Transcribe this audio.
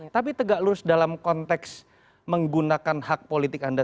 tapi tegak lurus dalam konteks menggunakan hak politik anda